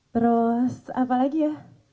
terus apa lagi ya